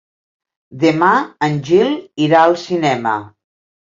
Demà en Gil irà al cinema.